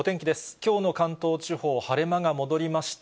きょうの関東地方、晴れ間が戻りました。